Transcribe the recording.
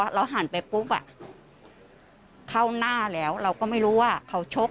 เราหันไปปุ๊บเข้าหน้าแล้วเราก็ไม่รู้ว่าเขาชก